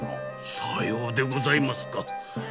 さようでございますか。